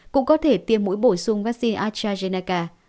cũng có thể tiêm mũi bổ sung vaccine astrazeneca